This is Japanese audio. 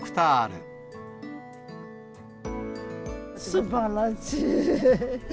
すばらしい。